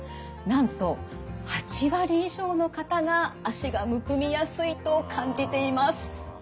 なんと８割以上の方が脚がむくみやすいと感じています。